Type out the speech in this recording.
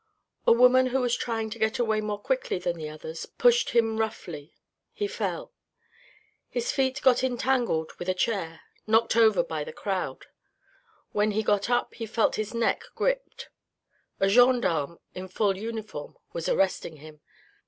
A woman who was trying to get away more quickly than the others, pushed him roughly. He fell. His feet got entangled with a chair, knocked over by the crowd; when he got up, he felt his neck gripped. A gendarme, in full uniform, was arresting him.